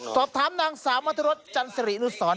สอบถามนางสาวมัธรสจันสรินุสร